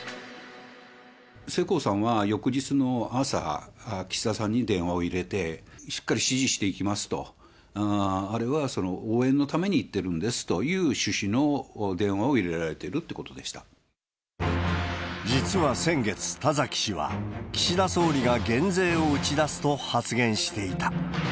世耕さんは、翌日の朝、岸田さんに電話を入れて、しっかり支持していきますと、あれは応援のために言ってるんですという趣旨の電話を入れられて実は先月、田崎氏は、岸田総理が減税を打ち出すと発言していた。